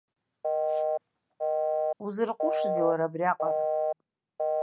Узырҟәышзеи уара абриаҟара?